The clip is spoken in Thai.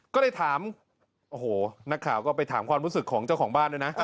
ก็เลยถามโอ้โหนักข่าวก็ไปถามความรู้สึกของเจ้าของบ้านด้วยนะ